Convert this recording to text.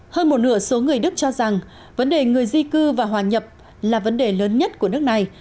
hơn một nửa số người đức cho rằng vấn đề người di cư và hòa nhập là vấn đề lớn nhất của nước này